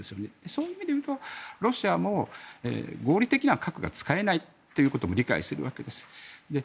そういう意味でいうとロシアも合理的には核が使えないということも理解するわけです。